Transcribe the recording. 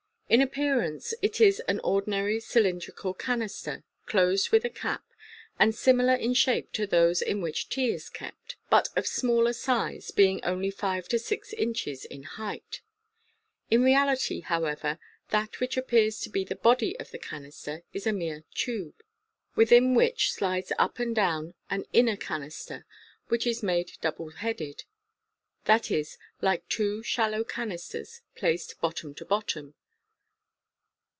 In appearance it is an ordinary cylindrical canister, closed with a cap, and similar in shape to those in which tea is kept, but of smaller size, being only five to six inches in height. In reality, however, that which appears to be the body of the canister is a mere tube, within which slides up and down an inner can ister, which is made double headed, i.e., like two shallow canisters placed bottom to bottom.